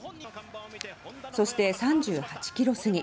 そして３８キロ過ぎ。